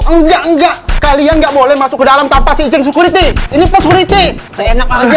enggak enggak kalian nggak boleh masuk ke dalam tanpa seaching security ini security saya enak aja